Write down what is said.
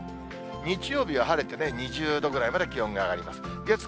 日曜日は晴れて、２０度ぐらいまで気温が上がります。